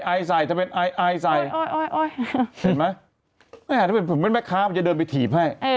อายไส่ถ้าเป็นอายไส่จริงมั้ยแม่ค้าผมจะเดินไปถีบให้